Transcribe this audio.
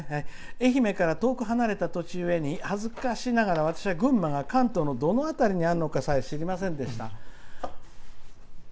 「愛媛から遠く離れたところで私は群馬が関東のどの辺りにあるのかさえ知りませんでした」。